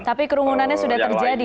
tapi kerumunannya sudah terjadi pak riza